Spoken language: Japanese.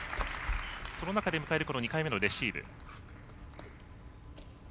その中で迎える２回目のレシーブ。